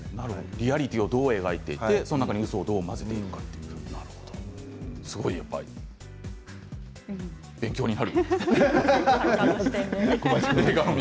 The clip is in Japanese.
リアリティーをどう描いてそこにうそをどうやって混ぜていくのか勉強になる。